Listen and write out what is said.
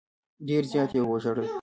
ډېر زیات یې وژړل.